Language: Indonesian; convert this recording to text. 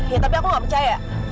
ya tapi aku gak percaya